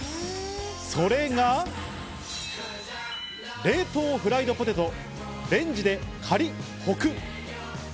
それが冷凍フライドポテトレンジでカリッホクッ。